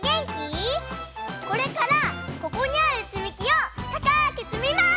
これからここにあるつみきをたかくつみます！